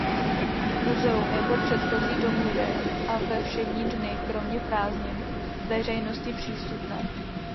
Muzeum je po předchozí domluvě a ve všední dny kromě prázdnin veřejnosti přístupné.